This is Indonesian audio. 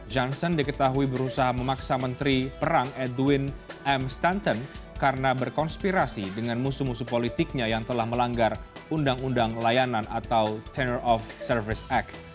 johnson diketahui berusaha memaksa menteri perang edwin m stanton karena berkonspirasi dengan musuh musuh politiknya yang telah melanggar undang undang layanan atau tender of service act